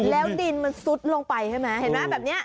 แล้วดินมันซ่ดลงไปถูกไหม